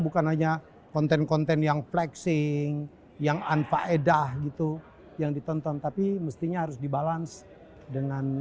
makanya konten konten yang flexing yang anfaedah gitu yang ditonton tapi mestinya harus dibalans dengan